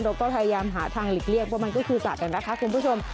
เราก็พยายามหาทางหลีกเลี่ยงเพราะมันก็คือสัตว์นะคะคุณผู้ชม